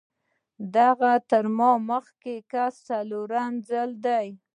دغه تر ما مخکې کس څووم ځل دی.